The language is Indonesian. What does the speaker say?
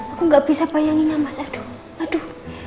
aku gak bisa bayanginnya mas aduh aduh